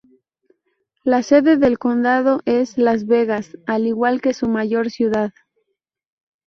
La sede del condado es Las Vegas, al igual que su mayor ciudad.